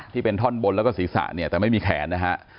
ที่เป็นท่อนบนแล้วก็ศีรษะเนี่ยแต่ไม่มีแขนนะฮะ